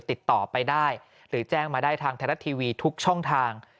ติดต่อไปได้หรือแจ้งมาได้ทางไทยรัฐทีวีทุกช่องทาง